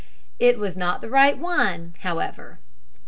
It was not the right one, however.